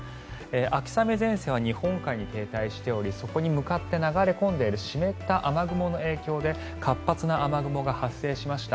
秋雨前線は日本海に停滞しておりそこに向かって流れ込んでいる湿った雨雲の影響で活発な雨雲が発生しました。